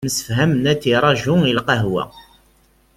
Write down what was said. Msefhamen ad t-id-iraju deg lqahwa.